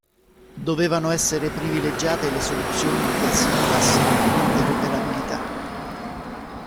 Dovevano essere privilegiate le soluzioni che assicurassero l'interoperabilità.